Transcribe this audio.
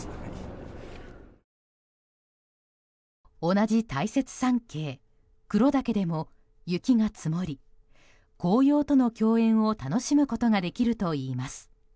同じ大雪山系・黒岳でも雪が積もり紅葉との共演を楽しむことができるといいます。